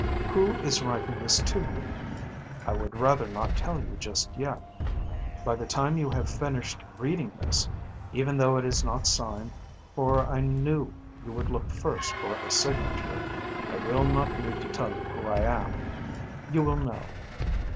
"Who is writing this to you? I would rather not tell you just yet. By the time you have finished reading this, even though it is not signed (for I knew you would look first for a signature), I will not need to tell you who I am. You will know.